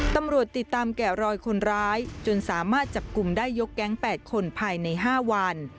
ตำรวจติดตามแกะรอยคนร้ายจนสามารถจับกลุ่มได้ยกแก๊ง๘คนภายใน๕วัน